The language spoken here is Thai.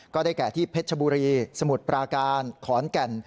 แก่ที่เพชรชบุรีสมุทรปราการขอนแก่น